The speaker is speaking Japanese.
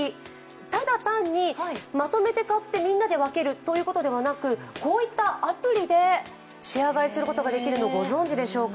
ただ単にまとめて買ってみんなで分けるということではなくこういったアプリでシェア買いすることができるのをご存じでしょうか。